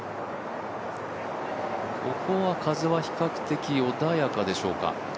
ここは風は比較的穏やかでしょうか？